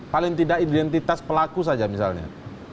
paling tidak identitas pelaku saja misalnya